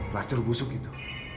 pelacur busuk itu